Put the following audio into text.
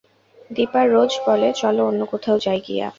দিপা রোজ বলে, চল, অন্য কোথাও যাই গিয়া।